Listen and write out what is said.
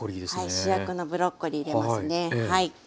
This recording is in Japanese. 主役のブロッコリー入れますね。